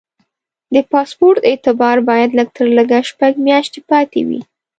د پاسپورټ اعتبار باید لږ تر لږه شپږ میاشتې پاتې وي.